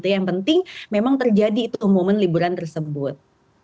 yang penting memang terjadi itu momen liburan tersebut